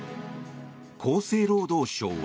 厚生労働省は。